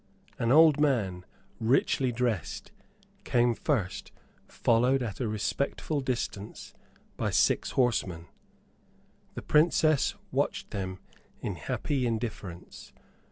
An old man, richly dressed, came first, followed at a respectful distance by six horsemen. The Princess watched them in happy indifference.